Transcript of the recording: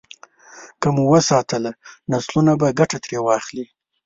که مو وساتله، نسلونه به ګټه ترې واخلي.